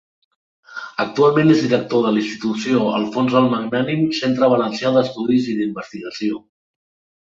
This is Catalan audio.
Actualment és director de la Institució Alfons el Magnànim-Centre Valencià d'Estudis i d'Investigació.